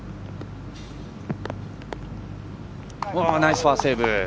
ナイスパーセーブ。